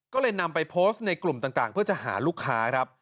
ก็เลยนำไปโพสต์ในกลุ่มต่างเพื่อจะหาลูกค้าครับ